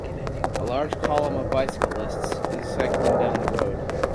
A large column of bicyclists is cycling down a road.